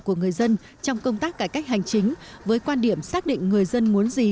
của người dân trong công tác cải cách hành chính với quan điểm xác định người dân muốn gì